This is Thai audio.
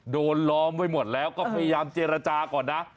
ล้อมไว้หมดแล้วก็พยายามเจรจาก่อนนะ